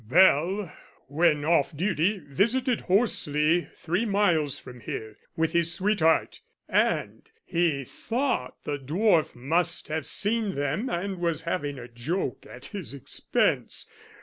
Bell when off duty visited Horseley three miles from here, with his sweetheart, and he thought the dwarf must have seen them and was having a joke at his expense.